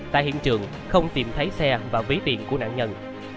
tại hiện trường không tìm thấy xe và vế tiện của nạn nhân